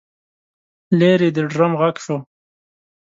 لرې د ډرم غږ شو.